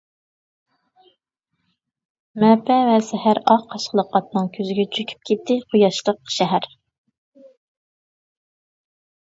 مەپە ۋە سەھەر ئاق قاشقىلىق ئاتنىڭ كۆزىگە چۆكۈپ كېتى قۇياشلىق شەھەر.